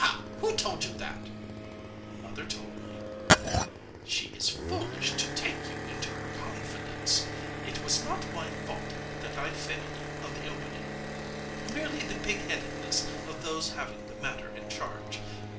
"Ha! who told you that?" "Mother told me." "She is foolish to take you into her confidence. It was not my fault that I failed of the opening merely the pig headedness of those having the matter in charge.